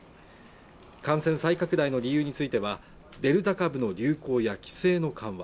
感染再拡大の理由についてはデルタ株の流行や規制の緩和